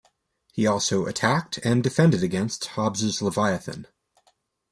He also attacked and defended against Hobbes's Leviathan.